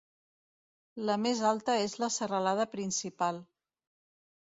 La més alta és la serralada principal.